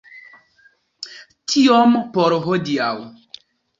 Tiom por hodiaŭ.